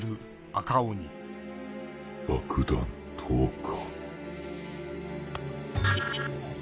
爆弾投下。